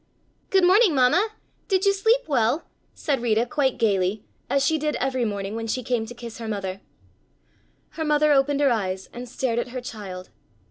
"Good morning, Mamma! Did you sleep well?" said Rita quite gayly, as she did every morning when she came to kiss her mother. Her mother opened her eyes and stared at her child.